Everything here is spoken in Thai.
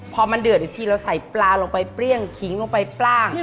ปีใหม่อยู่ญี่ปุ่น